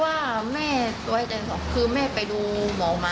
อามูลตำรวจ